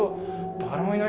「誰もいない」